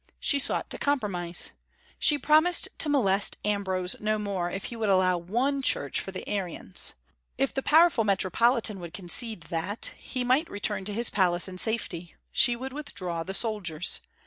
She sought to compromise. She promised to molest Ambrose no more if he would allow one church for the Arians. If the powerful metropolitan would concede that, he might return to his palace in safety; she would withdraw the soldiers.